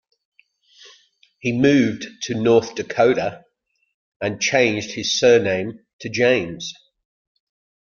He moved to North Dakota and changed his surname to James.